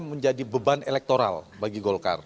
menjadi beban elektoral bagi golkar